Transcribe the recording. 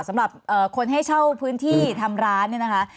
สำหรับคนให้เช่าพื้นที่ทำร้านเนี่ยนะคะ